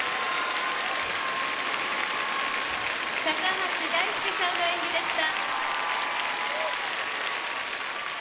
「橋大輔さんの演技でした」。